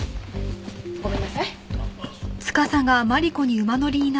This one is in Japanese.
ごめんなさい。